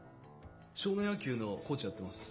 少年野球のコーチやってます。